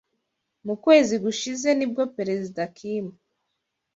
Mu kwezi gushize nibwo Perezida Kimu